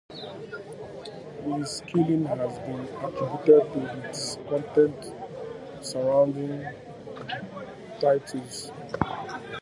His killing has been attributed to discontent surrounding tithes.